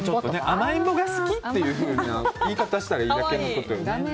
甘えん坊が好きっていう言い方をしたらいいだけのことよね。